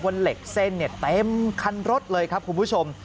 เหล็กเส้นเนี่ยเต็มคันรถเลยครับคุณผู้ชม